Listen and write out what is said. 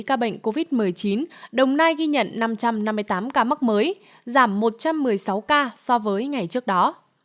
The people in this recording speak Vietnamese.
các bệnh covid một mươi chín đồng nai ghi nhận năm trăm năm mươi tám ca mắc mới giảm một trăm một mươi sáu ca so với ngày trước đó